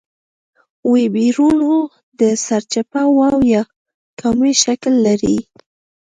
ویبریونونه د سرچپه واو یا کامي شکل لري.